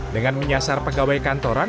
dengan menyasar pegawai kantor